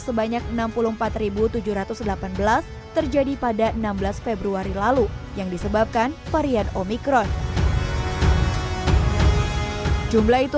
sebanyak enam puluh empat tujuh ratus delapan belas terjadi pada enam belas februari lalu yang disebabkan varian omikron jumlah itu